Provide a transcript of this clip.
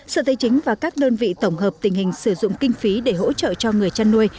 sở tây chính và các đơn vị tổng hợp tình hình sử dụng kinh phí để hỗ trợ cho người chăn nuôi